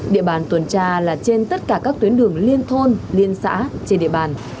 địa bàn tuần tra là trên tất cả các tuyến đường liên thôn liên xã trên địa bàn